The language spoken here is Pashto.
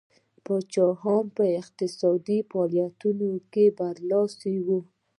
پاچاهان په اقتصادي فعالیتونو برلاسي وو.